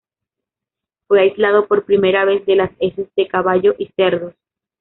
Fue aislado por primera vez de las heces de caballos y cerdos.